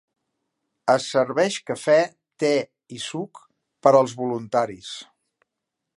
Es serveix cafè, te i suc per als voluntaris.